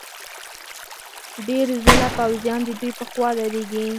ډېر ځله پوځیان ددوی په خوا درېږي.